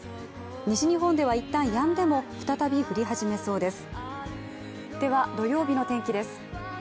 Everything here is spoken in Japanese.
西日本では一旦やんでも、再び降り始めそうです。